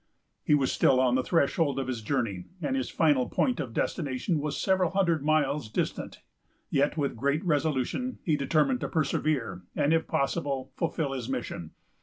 He was still on the threshold of his journey, and his final point of destination was several hundred miles distant; yet, with great resolution, he determined to persevere, and, if possible, fulfil his mission.